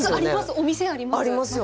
お店あります。